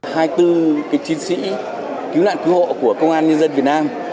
hai tư chiến sĩ cứu nạn cứu hộ của công an nhân dân việt nam